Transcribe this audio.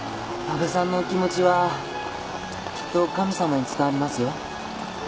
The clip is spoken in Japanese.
安部さんのお気持ちはきっと神様に伝わりますよ。